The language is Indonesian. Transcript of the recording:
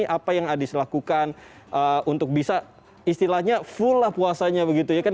apa yang adis lakukan untuk bisa istilahnya full lah puasanya begitu ya kan